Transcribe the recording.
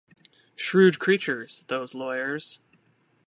Shrewd creatures, those lawyers.